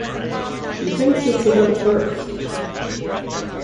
She thinks it's about birth.